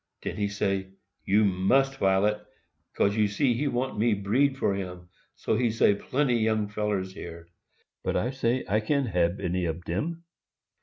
Den he say, 'You must, Violet;' 'cause you see he want me breed for him; so he say plenty young fellers here, but I say I can't hab any ob dem.